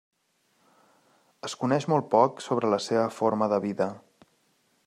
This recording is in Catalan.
Es coneix molt poc sobre la seva forma de vida.